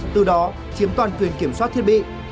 từ đó chiếm toàn quyền kiểm soát thiết bị